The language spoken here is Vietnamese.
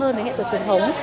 với những hệ thống truyền thống